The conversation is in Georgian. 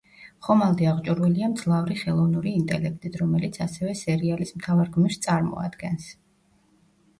ხომალდი აღჭურვილია მძლავრი ხელოვნული ინტელექტით, რომელიც ასევე სერიალის მთავარ გმირს წარმოადგენს.